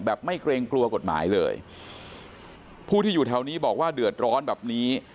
ไม่เกรงกลัวกฎหมายเลยผู้ที่อยู่แถวนี้บอกว่าเดือดร้อนแบบนี้